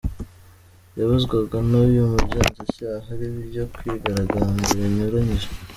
yabazwaga n’uyu mugenzacyaha aribyo kwigaragambya binyuranyije